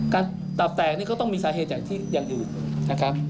การตัดแตกก็ต้องมีสาเหตุที่อย่างอื่น